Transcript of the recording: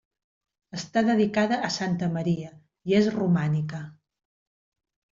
Està dedicada a santa Maria, i és romànica.